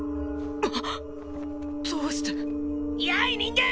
どうしてやい人間！